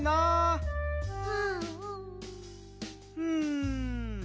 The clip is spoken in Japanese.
うん。